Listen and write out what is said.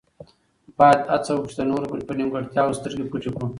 باید هڅه وکړو چې د نورو په نیمګړتیاوو سترګې پټې کړو.